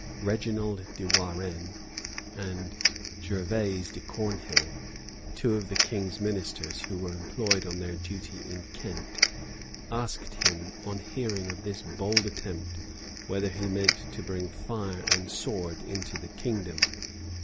Reginald de Warrenne and Gervase de Cornhill, two of the king's ministers, who were employed on their duty in Kent, asked him, on hearing of this bold attempt whether he meant to bring fire and sword into the kingdom.